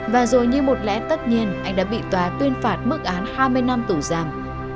và rồi như một lẽ tất nhiên anh đã bị tòa tuyên phạt mức án hai mươi năm tù giam